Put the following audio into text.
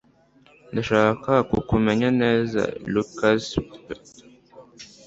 Ndashaka kukumenya neza. (lukaszpp)